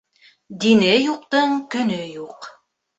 Дине юҡтың көнө юҡ.